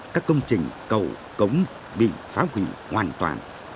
các công trình cầu cống bị phá hủy hoàn toàn